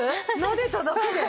なでただけで。